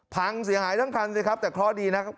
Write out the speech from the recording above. พังเสียหายทั้งคันสิครับแต่เคราะห์ดีนะครับ